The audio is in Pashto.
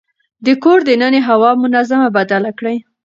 د کور دننه هوا منظم بدله کړئ.